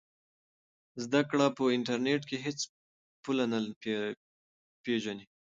زده کړه په انټرنیټ کې هېڅ پوله نه پېژني.